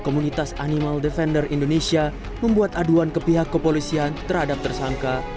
komunitas animal defender indonesia membuat aduan ke pihak kepolisian terhadap tersangka